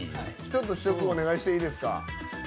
ちょっと試食お願いしていいですか？